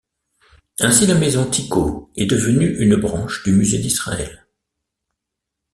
Ainsi, la Maison Ticho est devenue une branche du Musée d'Israël.